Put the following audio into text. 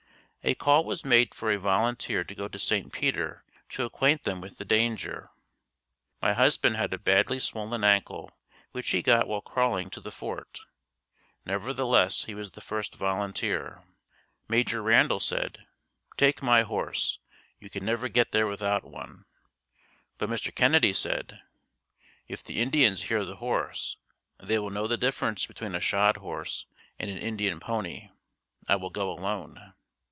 A call was made for a volunteer to go to St. Peter to acquaint them with the danger. My husband had a badly swollen ankle which he got while crawling to the fort. Nevertheless, he was the first volunteer. Major Randall said, "Take my horse; you can never get there without one," but Mr. Kennedy said, "If the Indians hear the horse they will know the difference between a shod horse and an Indian pony. I will go alone."